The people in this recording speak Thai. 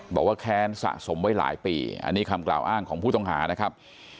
แค้นสะสมไว้หลายปีอันนี้คำกล่าวอ้างของผู้ต้องหานะครับ